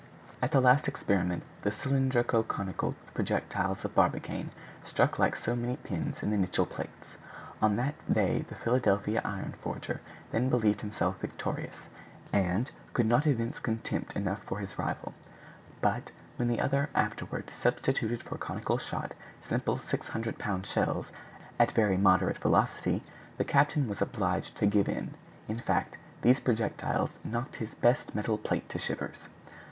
At the last experiment the cylindro conical projectiles of Barbicane stuck like so many pins in the Nicholl plates. On that day the Philadelphia iron forger then believed himself victorious, and could not evince contempt enough for his rival; but when the other afterward substituted for conical shot simple 600 pound shells, at very moderate velocity, the captain was obliged to give in. In fact, these projectiles knocked his best metal plate to shivers.